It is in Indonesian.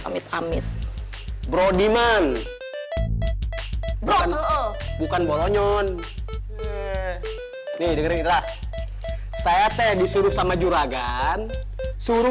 eh amit amit bro diman bro bukan bolonyon nih dengerin lah saya teh disuruh sama juragan suruh